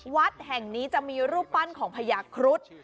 วัดแห่งนี้จะมีรูปปั้นของพญาครุฑ